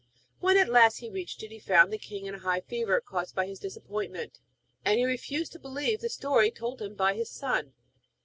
When at last he reached it he found the king in a high fever, caused by his disappointment, and he refused to believe the story told him by his son.